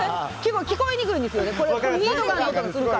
聞こえにくいんですよね。